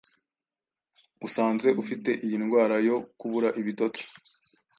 usanze ufite iyi ndwara yo kubura ibitotsi,